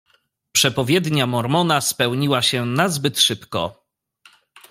"Przepowiednia Mormona spełniła się nazbyt szybko."